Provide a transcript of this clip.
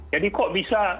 jadi kok bisa